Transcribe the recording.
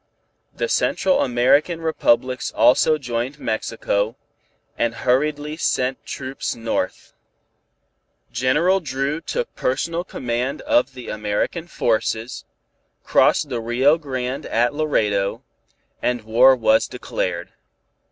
The Central American Republics also joined Mexico, and hurriedly sent troops north. General Dru took personal command of the American forces, crossed the Rio Grande at Laredo, and war was declared.